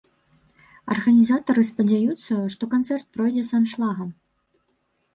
Арганізатары спадзяюцца, што канцэрт пройдзе з аншлагам.